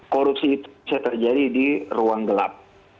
korupsi itu bisa terjadi di ruang gelap